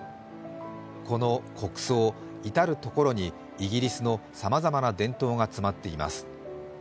この国葬、至る所にイギリスのさまざまな伝統が詰まっています。